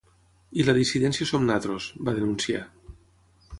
I la dissidència som nosaltres, va denunciar.